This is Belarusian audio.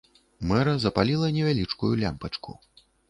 Мэра запаліла невялічкую лямпачку.